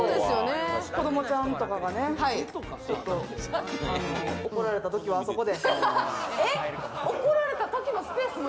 子供ちゃんとかがね、怒られた時はあそこで。